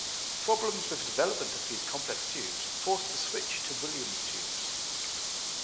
Problems with the development of these complex tubes forced the switch to Williams tubes.